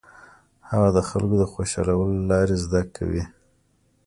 هغه د خلکو د خوشالولو لارې زده کوي.